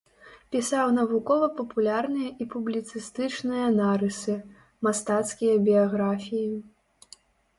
Пісаў навукова-папулярныя і публіцыстычныя нарысы, мастацкія біяграфіі.